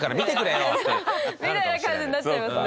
みたいな感じになっちゃいますね。